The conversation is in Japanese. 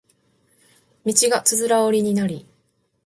道がつづら折りになり